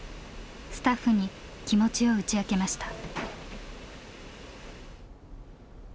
スタッフに気持ちを打ち明けました。